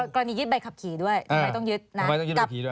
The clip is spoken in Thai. กรณียึดใบขับขี่ด้วยทำไมต้องยึดนะ